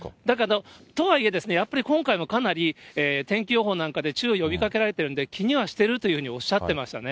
とはいえ、やっぱり今回もかなり天気予報なんかで注意を呼びかけられてるんで気にはしているというふうにはおっしゃってましたね。